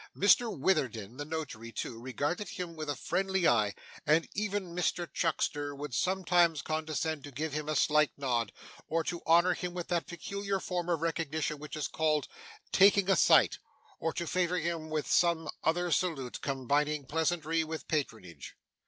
Mr Witherden the notary, too, regarded him with a friendly eye; and even Mr Chuckster would sometimes condescend to give him a slight nod, or to honour him with that peculiar form of recognition which is called 'taking a sight,' or to favour him with some other salute combining pleasantry with patronage.